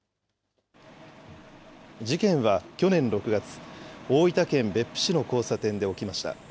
事件は去年６月、大分県別府市の交差点で起きました。